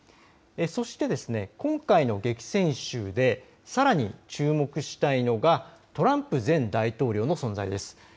そして今回の激戦州でさらに注目したいのがトランプ前大統領の存在です。